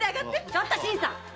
ちょっと新さん！